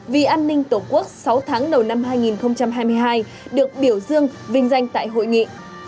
vì an ninh tổ quốc sáu tháng đầu năm hai nghìn hai mươi hai được biểu dương vinh danh tại hội nghị